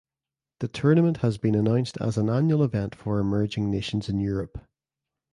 The tournament has been announced as an annual event for emerging nations in Europe.